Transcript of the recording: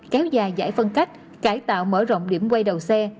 kéo dài giải phân cách cải tạo mở rộng điểm quay đầu xe